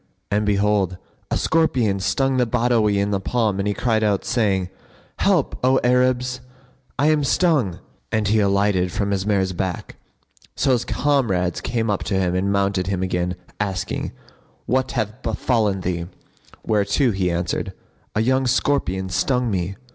And behold, a scorpion stung the Badawi in the palm and he cried out, saying, "Help, O Arabs! I am stung;" and he alighted from his mare's back. So his comrades came up to him and mounted him again, asking, "What hath befallen thee?" whereto he answered, "A young scorpion[FN#51] stung me."